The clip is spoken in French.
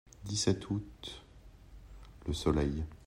dix-sept août., Le Soleil.